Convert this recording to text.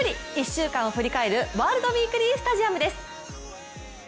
１週間を振り返る「ワールドウィークリースタジアム」です。